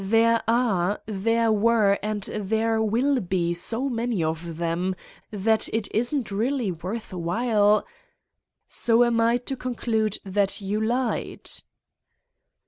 There are, there were and there will be so many of them that it isn't really worth while. ..." "So I am to conclude that you lied?'